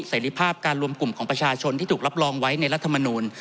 เสร็จภาพการรวมกลุ่มของประชาชนที่ถูกรับรองไว้ในรัฐมนูล